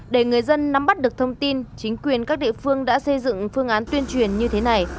để người dân nắm bắt được thông tin chính quyền các địa phương đã xây dựng phương án tuyên truyền như thế này